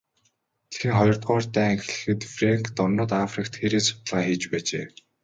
Дэлхийн хоёрдугаар дайн эхлэхэд Фрэнк дорнод Африкт хээрийн судалгаа хийж байжээ.